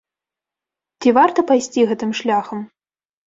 Ці варта пайсці гэтым шляхам?